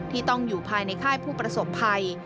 ที่ต้องอยู่ภายในค่ายผู้ประสบภัย